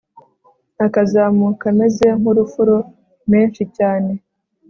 akazamuka ameze nk'urufuro menshi cyane